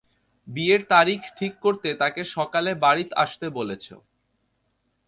বিয়ের তারিখ ঠিক করতে তাকে সকালে বাড়িত আসতে বলেছ।